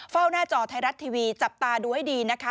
เฝ้าหน้าจอไทยรัตน์ทีวีจับตาด้วยดีนะคะ